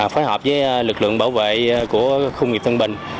phối hợp với lực lượng bảo vệ của khu nghiệp tân bình